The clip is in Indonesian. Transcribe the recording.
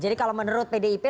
jadi kalau menurut pdip